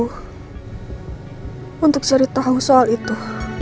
tunggu untuk saya tahu soal itu